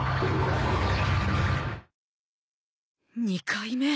２回目。